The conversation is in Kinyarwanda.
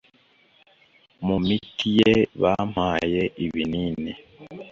Mu miti ye bampaye ibinini